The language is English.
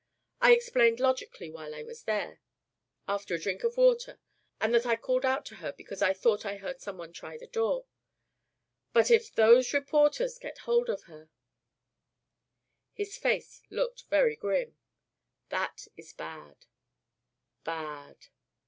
I explained logically why I was there after a drink of water, and that I called out to her because I thought I heard some one try the door but if those reporters get hold of her " His face looked very grim. "That is bad, bad.